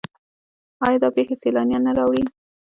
آیا دا پیښې سیلانیان نه راوړي؟